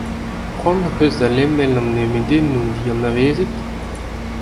Cʼhoant hocʼh eus da lemel an nemedennoù dianavezet ?